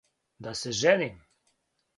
Да се женим?